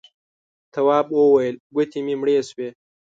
تواب وويل: گوتې مې مړې شوې.